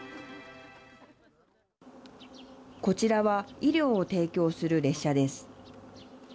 こちらは医療を提供する列車です。